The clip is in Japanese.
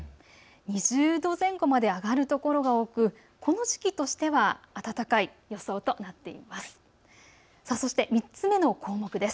２０度前後まで上がる所が多くこの時期としては暖かい予想となっています。